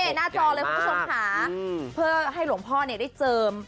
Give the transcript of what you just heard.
หน้าจอเลยภูมิชม่าเพื่อให้หลวงพ่อได้เติม